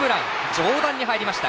上段に入りました。